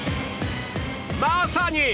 まさに。